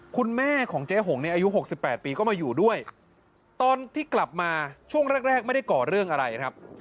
คุณแม่ของเจ๊หงเนี่ยอายุ๖๘ปีก็มาอยู่ด้วยตอนที่กลับมาช่วงแรกแรกไม่ได้ก่อเรื่องอะไรครับ